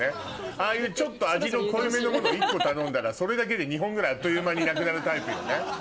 ああいうちょっと味の濃いめのもの１個頼んだらそれだけで２本ぐらいあっという間になくなるタイプよね？